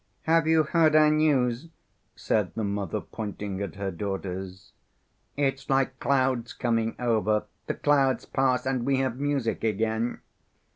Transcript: "Have you heard our news?" said the mother, pointing at her daughters. "It's like clouds coming over; the clouds pass and we have music again.